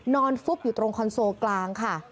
ฟุบอยู่ตรงคอนโซลกลางค่ะ